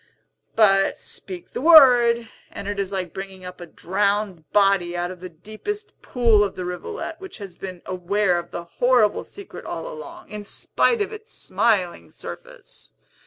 But speak the word, and it is like bringing up a drowned body out of the deepest pool of the rivulet, which has been aware of the horrible secret all along, in spite of its smiling surface.